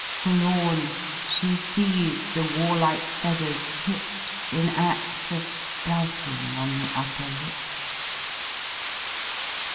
Forlorn she sees the warlike feathers* tips In ad of sprouting on the upper lips.